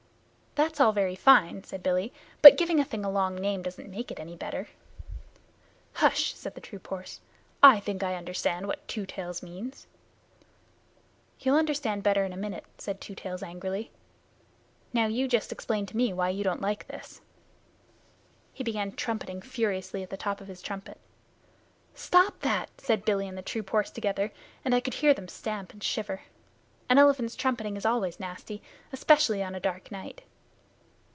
"That's all very fine," said Billy. "But giving a thing a long name doesn't make it any better." "H'sh!" said the troop horse. "I think I understand what Two Tails means." "You'll understand better in a minute," said Two Tails angrily. "Now you just explain to me why you don't like this!" He began trumpeting furiously at the top of his trumpet. "Stop that!" said Billy and the troop horse together, and I could hear them stamp and shiver. An elephant's trumpeting is always nasty, especially on a dark night.